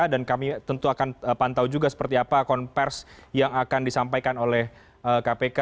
dan kami tentu akan pantau juga seperti apa konversi yang akan disampaikan oleh kpk